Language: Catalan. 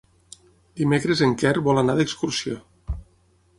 Dimecres en Quer vol anar d'excursió.